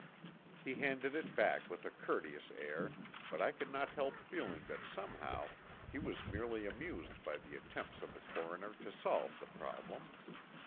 He handed it back with a courteous air, but I could not help feeling that somehow he was merely amused by the attempts of the coroner to solve the problem.